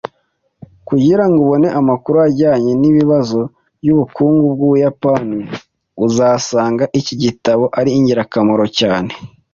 Kugirango ubone amakuru ajyanye nibibazo byubukungu bwu Buyapani, uzasanga iki gitabo ari ingirakamaro cyane.